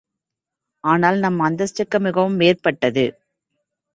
ஆனால் நம் அந்தஸ்துக்கு மிகவும் மேற்பட்டது.